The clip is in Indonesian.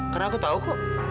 karena aku tahu kok